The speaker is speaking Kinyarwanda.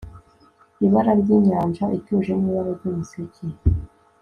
Ibara ryinyanja ituje nibara ryumuseke